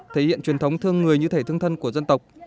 thể hiện truyền thống thương người như thể thương thân của dân tộc